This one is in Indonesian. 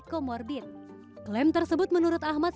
comorbid klaim tersebut menurut ahmad